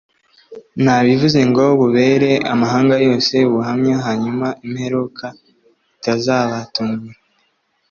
Nabivuze ngo bubere amahanga yose ubuhamya hanyuma imperuka itazabatungura